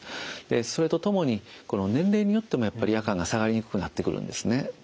それとともに年齢によってもやっぱり夜間が下がりにくくなってくるんですね。